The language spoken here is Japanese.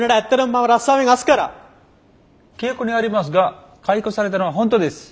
記憶にありますが解雇されたのは本当です。